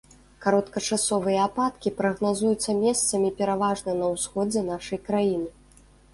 Кароткачасовыя ападкі прагназуюцца месцамі пераважна на ўсходзе нашай краіны.